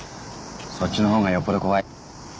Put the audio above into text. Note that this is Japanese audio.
そっちのほうがよっぽど怖い。